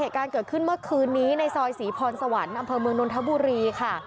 เหตุการณ์เกิดขึ้นเมื่อคืนนี้ในซอยศรีพรสวรรค์อำเภอเมืองนนทบุรีค่ะ